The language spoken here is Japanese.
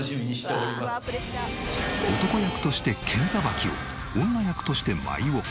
男役として剣さばきを女役として舞を。